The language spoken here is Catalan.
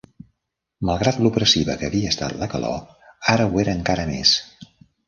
Malgrat l'opressiva que havia estat la calor, ara ho era encara més.